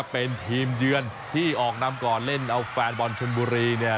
เป็นทีมเยือนที่ออกนำก่อนเล่นเอาแฟนบอลชนบุรีเนี่ย